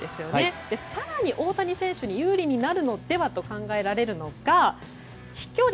更に大谷選手に有利になるのではと考えられるのが飛距離